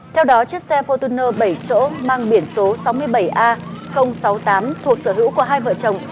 theo đó chiếc xe fortuner bảy chỗ mang biển số sáu mươi bảy a sáu mươi tám thuộc sở hữu của hai vợ chồng